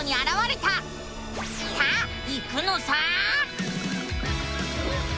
さあ行くのさ！